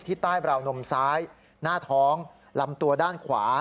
ใต้บราวนมซ้ายหน้าท้องลำตัวด้านขวา